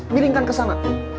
miringkan ke sana